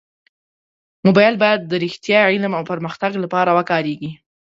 موبایل باید د رښتیا، علم او پرمختګ لپاره وکارېږي.